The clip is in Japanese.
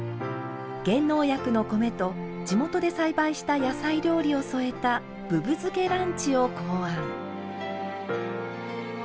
減農薬の米と地元で栽培した野菜料理を添えたぶぶ漬けランチを考案。